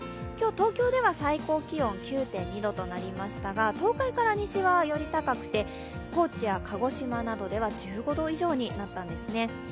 今日、東京では最高気温９．２度となりましたが東海から西はより高くて高知や鹿児島などでは１５度以上になったんですね。